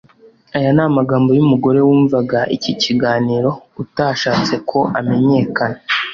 Aya ni amagambo y’umugore wumvaga iki kiganiro utashatse ko amenyekana